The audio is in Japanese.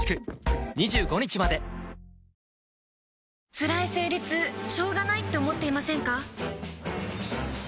つらい生理痛しょうがないって思っていませんか？